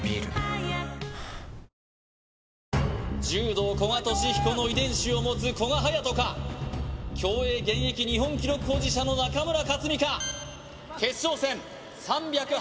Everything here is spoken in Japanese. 柔道・古賀稔彦の遺伝子を持つ古賀颯人か競泳現役日本記録保持者の中村克かいきます